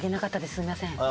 すいません。